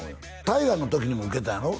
大河の時にも受けたんやろ？